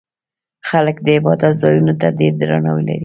خلک د عبادت ځایونو ته ډېر درناوی لري.